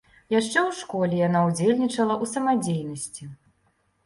Яшчэ ў школе яна ўдзельнічала ў самадзейнасці.